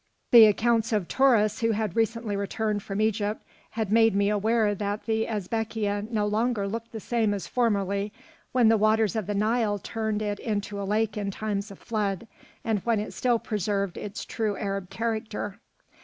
The accounts of tourists who had recently returned from Egypt had made me aware that the Ezbekîyeh no longer looked the same as formerly, when the waters of the Nile turned it into a lake in times of flood, and when it still preserved its true Arab character.